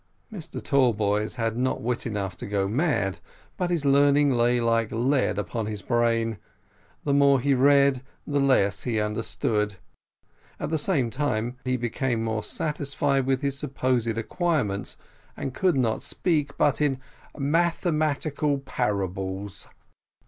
Mr Tallboys had not wit enough to go mad, but his learning lay like lead upon his brain: the more he read, the less he understood, at the same time that he became more satisfied with his supposed acquirements, and could not speak but in "mathematical parables."